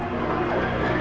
uya buka gerbang